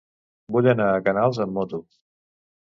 Vull anar a Canals amb moto.